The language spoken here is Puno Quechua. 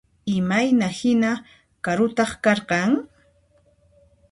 Imayna hina karutaq karqan?